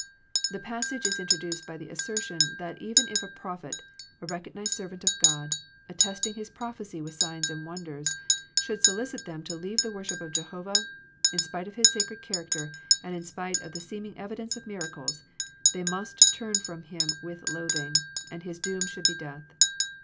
The passage is introduced by the assertion that if even a prophet a recognized serv ant of God, attesting his prophecy with signs and wonders, should solicit them to leave the worship of Jehovah, in spite of his sacred character, and in spite of the seeming evidence of miracles, they must turn from him with loathing, and his doom should be death.